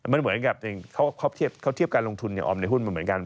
มันเหมือนกับเขาเทียบการลงทุนออมในหุ้นมันเหมือนกัน